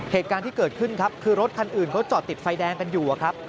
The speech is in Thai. เหตุการณ์ที่เกิดขึ้นครับคือรถคันอื่นเขาจอดติดไฟแดงกันอยู่ครับ